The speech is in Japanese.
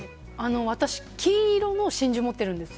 私、金色の真珠を持っているんですよ。